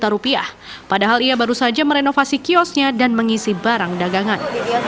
rp lima padahal ia baru saja merenovasi kiosnya dan mengisi barang dagangan